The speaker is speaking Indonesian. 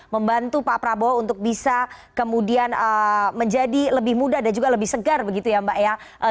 membantu pak prabowo untuk bisa kemudian menjadi lebih mudah dan juga lebih segar begitu ya mbak ya